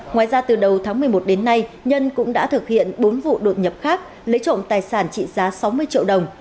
ngoài ra từ đầu tháng một mươi một đến nay nhân cũng đã thực hiện bốn vụ đột nhập khác lấy trộm tài sản trị giá sáu mươi triệu đồng